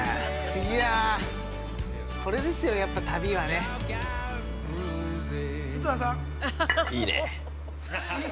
いやこれですよやっぱ旅はね。◆いいね。